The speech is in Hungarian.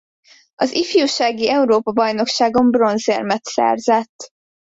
Az ifjúsági Európa-bajnokságon bronzérmet szerzett.